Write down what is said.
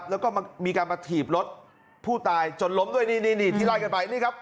แล้วก็มีการมาถีบรถผู้ตายจนล้มด้วยนี่นี่ที่ไล่กันไปนี่ครับ